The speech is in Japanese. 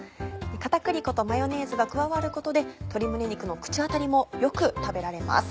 片栗粉とマヨネーズが加わることで鶏胸肉の口当たりもよく食べられます。